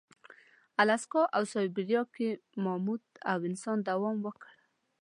الاسکا او سابیریا کې ماموت او انسان دوام وکړ.